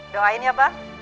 doain ya bang